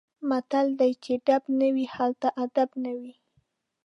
متل دی: چې ډب نه وي هلته ادب نه وي.